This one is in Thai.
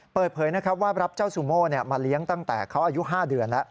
เปิดเผยนะครับว่ารับเจ้าซูโม่มาเลี้ยงตั้งแต่เขาอายุ๕เดือนแล้ว